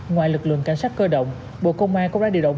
ngoài lực lượng cảnh sát cơ động bộ công an cũng đã điều động